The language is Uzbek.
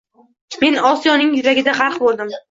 Men Osiyoning yuragida g‘arq bo‘ldim.